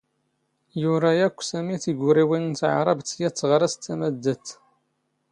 ⵢⵓⵔⴰ ⴰⴽⴽⵯ ⵙⴰⵎⵉ ⵜⵉⴳⵓⵔⵉⵡⵉⵏ ⵏ ⵜⵄⵕⴰⴱⵜ ⵙ ⵢⴰⵜ ⵜⵖⴰⵔⴰⵙ ⵜⴰⵎⴰⴷⴷⴰⴷⵜ.